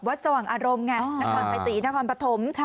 สว่างอารมณ์ไงนครชัยศรีนครปฐม